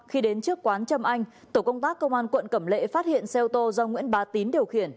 khi đến trước quán trâm anh tổ công tác công an quận cẩm lệ phát hiện xe ô tô do nguyễn bá tín điều khiển